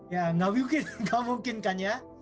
ya nggak mungkin kan ya